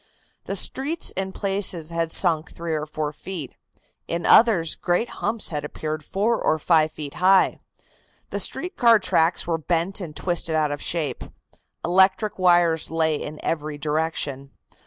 The streets in places had sunk three or four feet, in others great humps had appeared four or five feet high. The street car tracks were bent and twisted out of shape. Electric wires lay in every direction.